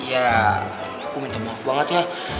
ya aku minta maaf banget ya